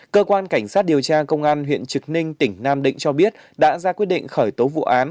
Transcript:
cơ quan cảnh sát điều tra công an huyện trực ninh tỉnh nam định cho biết đã ra quyết định khởi tố vụ án